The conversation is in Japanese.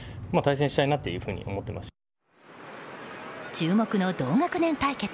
注目の同学年対決。